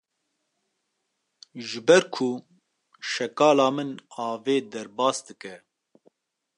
Ji ber ku şekala min avê derbas dike.